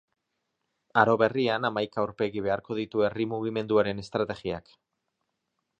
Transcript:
Aro berrian, hamaika aurpegi beharko ditu herri mugimenduaren estrategiak.